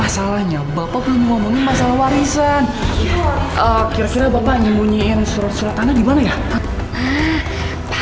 sampai jumpa di video selanjutnya